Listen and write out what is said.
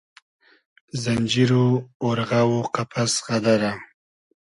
زئنجیر و اۉرغۂ و قئپئس غئدئرۂ